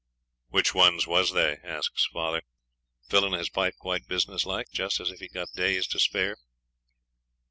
'Which ones was they?' asks father, fillin' his pipe quite business like, just as if he'd got days to spare.